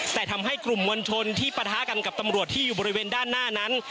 แต่ทำให้กลุ่มมวลชนที่ปะทะกันกับตำรวจที่อยู่บริเวณด้านหน้านั้น